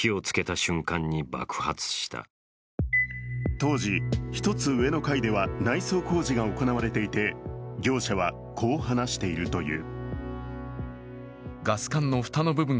当時、一つ上の階では内装工事が行われていて業者はこう話しているという。